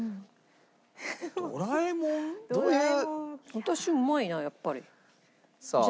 私うまいなやっぱり。